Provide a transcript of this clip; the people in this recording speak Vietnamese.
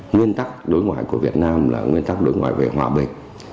nguyên tắc đối ngoại của việt nam là nguyên tắc đối ngoại về hòa bình